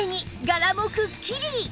柄もくっきり！